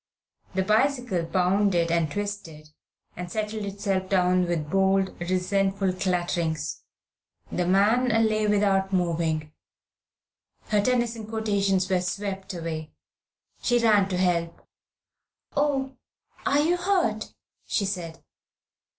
The bicycle bounded, and twisted, and settled itself down with bold, resentful clatterings. The man lay without moving. Her Tennyson quotations were swept away. She ran to help. "Oh, are you hurt?" she said.